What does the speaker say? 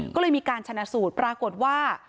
ก็เลยมีการชนะสูตรปรากฏว่า